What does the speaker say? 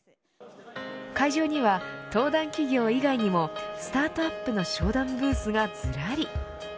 会場には、登壇企業以外にもスタートアップの商談ブースがずらり。